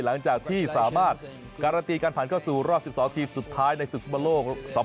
หลังจากที่สามารถการันตีการผ่านเข้าสู่รอบ๑๒ทีมสุดท้ายในศึกฟุตบอลโลก๒๐